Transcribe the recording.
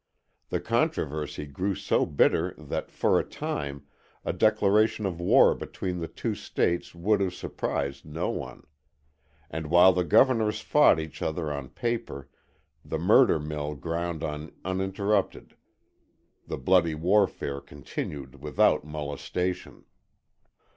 The controversy grew so bitter that, for a time, a declaration of war between the two States would have surprised no one. And while the governors fought each other on paper, the murder mill ground on uninterrupted, the bloody warfare continued without molestation.